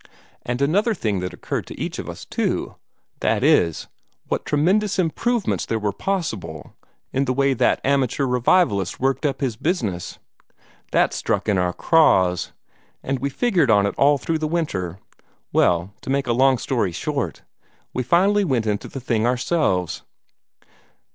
And another thing had occurred to each of us, too that is, what tremendous improvements there were possible in the way that amateur revivalist worked up his business. This stuck in our crops, and we figured on it all through the winter. Well, to make a long story short, we finally went into the thing ourselves."